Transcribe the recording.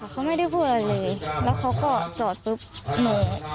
เขาไม่ได้พูดอะไรเลยแล้วเขาก็จอดปุ๊บหนู